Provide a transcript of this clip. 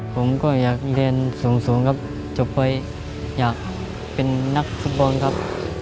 ผมก็อยากเรียนสูงสูงครับจบไปอยากเป็นนักฟุตบอลครับ